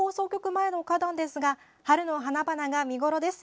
前の花壇ですが春の花々が見頃です。